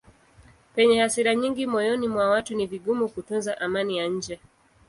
Penye hasira nyingi moyoni mwa watu ni vigumu kutunza amani ya nje.